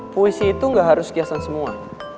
puisi itu gak harus hiasan semua